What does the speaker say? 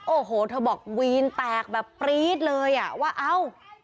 โอ้โหเธอบอกวีนแตกแบบปรี๊ดเลยอ่ะว่าเอ้า